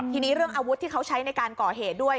ทีนี้เรื่องอาวุธที่เขาใช้ในการก่อเหตุด้วย